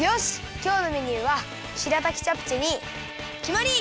きょうのメニューはしらたきチャプチェにきまり！